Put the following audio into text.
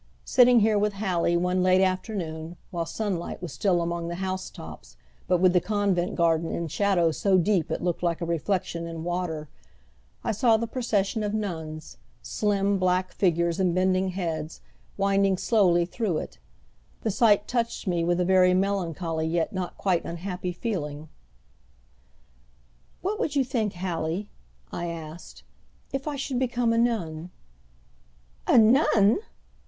Sitting here with Hallie one late afternoon, while sunlight was still among the housetops, but with the convent garden in shadow so deep it looked like a reflection in water, I saw the procession of nuns, slim, black figures and bending heads, winding slowly through it. The sight touched me with a very melancholy yet not quite unhappy feeling. "What would you think, Hallie," I asked, "if I should become a nun?" "A nun!"